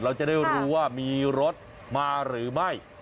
เราจะได้รู้ว่ามีรถมาหรือไม่